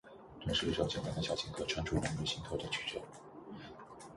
这是一首简单的小情歌，唱出人们心头的曲折